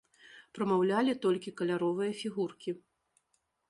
Прамаўлялі толькі каляровыя фігуркі.